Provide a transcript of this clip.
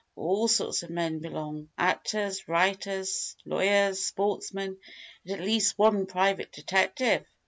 All sorts of men belong actors, writers, lawyers, sportsmen, and at least one private detective!